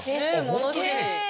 物知り！